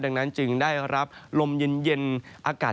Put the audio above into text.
ในแต่ละพื้นที่เดี๋ยวเราไปดูกันนะครับ